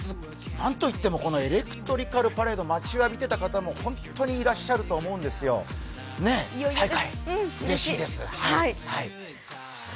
何といってもエレクトリカルパレード、待ちわびてた方も本当にいらっしゃると思うんですよ、いよいよ再開、うれしいです。